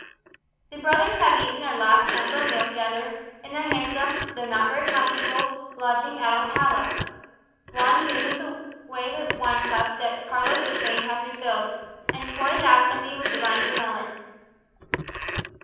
The brothers have eaten their last temperate meal together, in their handsome, though not very comfortable, lodging at Alcala. Juan pushes away the wine cup that Carlos would fain have refilled, and toys absently with the rind of a melon.